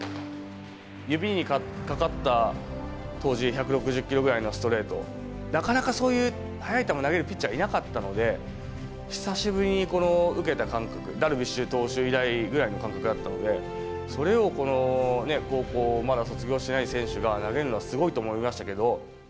指にかかった、当時１６０キロぐらいのストレート、なかなかそういう速い球投げるピッチャーがいなかったので、久しぶりに受けた感覚、ダルビッシュ投手以来ぐらいの感覚だったので、それを高校まだ卒業してない選手が投げるのは、すごいなと思いましたけど。